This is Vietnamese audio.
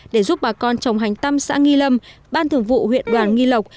để giúp bà con trồng hành tâm xã nghi lâm ban thường vụ huyện đoàn nghi lộc